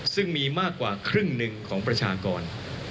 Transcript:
ซึ่งมีมากกว่าครึ่งหนึ่งของประชากร